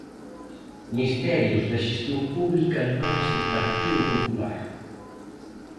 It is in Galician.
Misterios da xestión pública en mans do Partido Popular.